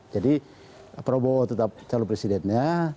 jadi prabowo tetap calon presidennya